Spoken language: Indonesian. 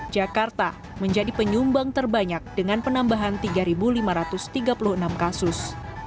jakarta menjadi penyumbang terbanyak dengan penambahan tiga lima ratus tiga puluh enam kasus